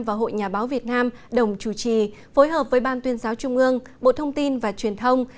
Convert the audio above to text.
và hội nhà báo việt nam đồng chủ trì phối hợp với ban tuyên giáo trung ương bộ thông tin và truyền thông